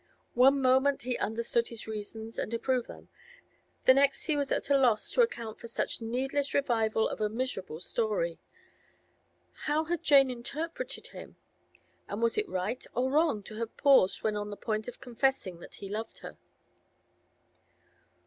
One moment he understood his reasons, and approved them; the next he was at a loss to account for such needless revival of a miserable story. How had Jane interpreted him? And was it right or wrong to have paused when on the point of confessing that he loved her?